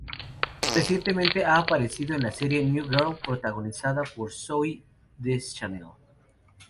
Recientemente ha participado en la serie "New Girl", protagonizada por Zooey Deschanel.